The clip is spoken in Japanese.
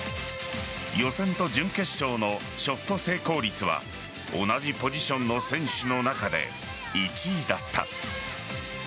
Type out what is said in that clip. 予選と準決勝のショット成功率は同じポジションの選手の中で１位だった。